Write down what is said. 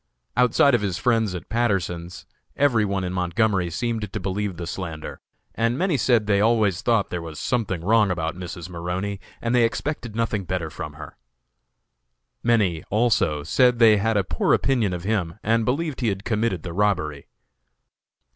Outside of his friends at Patterson's, every one in Montgomery seemed to believe the slander, and many said they always thought there was something wrong about Mrs. Maroney, and they expected nothing better from her. Many, also, said they had a poor opinion of him and believed he had committed the robbery.